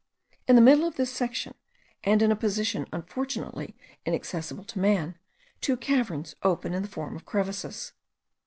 In the middle of this section, and in a position unfortunately inaccessible to man, two caverns open in the form of crevices.